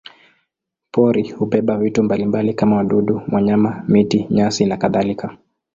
Pori hubeba vitu mbalimbali kama wadudu, wanyama, miti, nyasi nakadhalika.